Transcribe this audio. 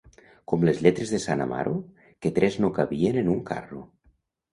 Com les lletres de sant Amaro, que tres no cabien en un carro.